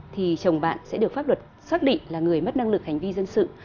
thì chồng bạn sẽ được pháp luật xác định là người mất năng lực hành vi dân sự